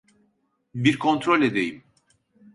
Bir kontrol edeyim.